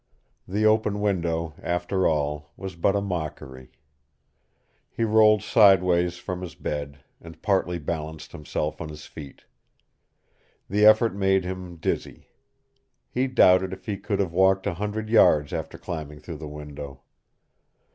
The open window, after all, was but a mockery. He rolled sideways from his bed and partly balanced himself on his feet. The effort made him dizzy. He doubted if he could have walked a hundred yards after climbing through the window.